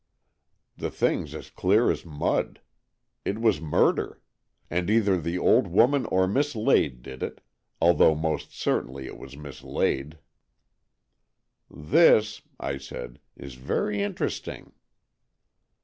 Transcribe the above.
" The thing's as clear as mud. It was murder. And either the old woman or Miss Lade did it, though almost certainly it was Miss Lade." " This," I said, " is very interesting."